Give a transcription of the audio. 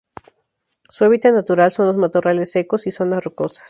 Su hábitat natural son los matorrales secos y zonas rocosas.